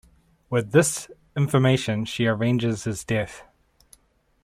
With this information she arranges his death.